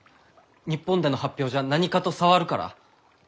日本での発表じゃ何かと障るから？